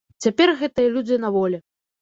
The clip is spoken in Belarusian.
Цяпер гэтыя людзі на волі.